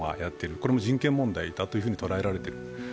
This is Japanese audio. これも人権問題だというふうに捉えられている。